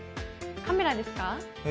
カメラですか。